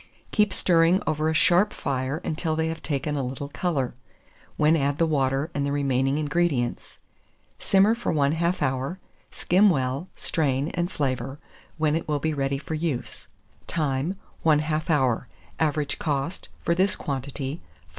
Keep stirring over a sharp fire until they have taken a little colour, when add the water and the remaining ingredients. Simmer for 1/2 hour, skim well, strain, and flavour, when it will be ready for use. Time. 1/2 hour. Average cost, for this quantity, 5d.